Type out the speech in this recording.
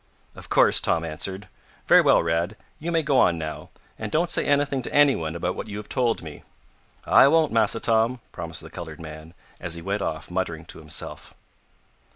"Of course," Tom answered. "Very well, Rad. You may go on now, and don't say anything to anyone about what you have told me." "I won't, Massa Tom," promised the colored man, as he went off muttering to himself.